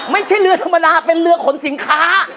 ไม่ใช่เรือธรรมดาเป็นเรือขนสินค้า